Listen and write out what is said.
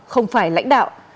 không phải lãnh đạo